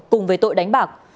cùng với tội đánh bạc